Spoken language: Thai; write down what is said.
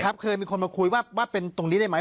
เคยมีคนมาคุยว่าเป็นตรงนี้ได้ไหม